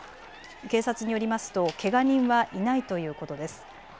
警察によりますとけが人はいないということです。